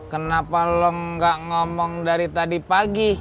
kenapa lu nggak ngomong dari tadi pagi